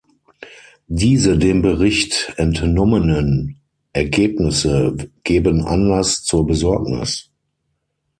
Diese dem Bericht entnommenen Ergebnisse geben Anlass zur Besorgnis.